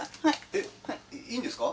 えっいいんですか？